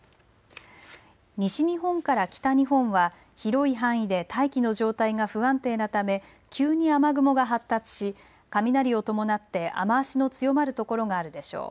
西日本から北日本は広い範囲で大気の状態が不安定なため急に雨雲が発達し雷を伴って雨足の強まる所があるでしょう。